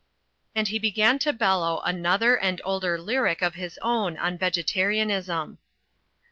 And he began to bellow another and older lyric of his own on vegetarianism.